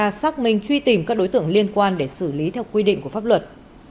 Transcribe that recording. và xác minh truy tìm các đối tượng liên quan để xử lý theo quy định của pháp luật